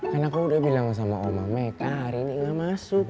kan aku udah bilang sama oma meka hari ini gak masuk